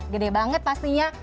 gede banget pastinya